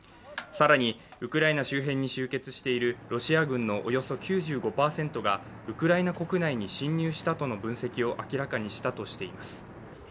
更に、ウクライナ周辺に集結しているロシア軍のおよそ９５％がウクライナ国内に侵入したとの分析を明らかにしたとしています。